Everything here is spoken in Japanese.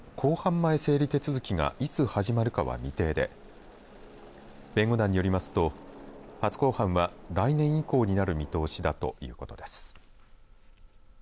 前整理手続きがいつ始まるかは未定で弁護団によりますと初公判は来年以降になる見通しだということです。